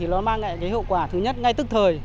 nó mang lại cái hậu quả thứ nhất ngay tức thời